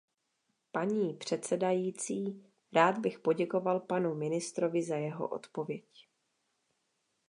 Paní předsedající, rád bych poděkoval panu ministrovi za jeho odpověď.